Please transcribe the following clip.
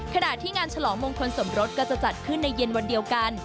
ขณะที่งานฉลองมงคลสมรสก็จะจัดขึ้นในเย็นวันเดียวกัน